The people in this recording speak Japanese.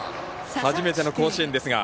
初めての甲子園ですが。